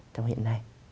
trong hiện nay